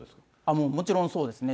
もうもちろんそうですね。